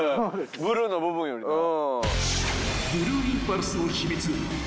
ブルーの部分よりもね。